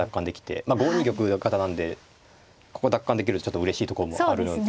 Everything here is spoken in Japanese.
５二玉型なんでここが奪還できるとちょっとうれしいところもあるので。